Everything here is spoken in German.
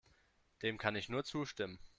Dem kann ich nur zustimmen.